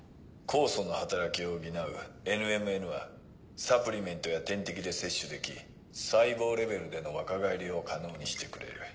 酵素の働きを補うＮＭＮはサプリメントや点滴で摂取でき細胞レベルでの若返りを可能にしてくれる。